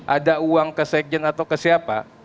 ada uang ke sekjen atau ke siapa